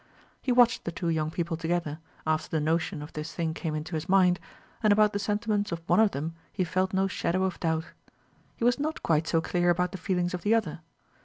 He watched the two young people together, after the notion of this thing came into his mind, and about the sentiments of one of them he felt no shadow of doubt. He was not quite so clear about the feelings of the other.